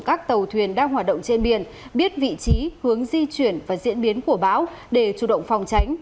các tàu thuyền đang hoạt động trên biển biết vị trí hướng di chuyển và diễn biến của bão để chủ động phòng tránh